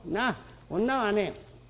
女はね